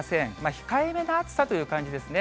控えめな暑さという感じになりそうですね。